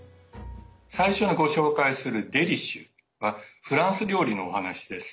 最初にご紹介する「デリシュ！」はフランス料理のお話です。